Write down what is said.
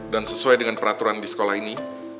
dan sesuai dengan peraturan di sekolah ini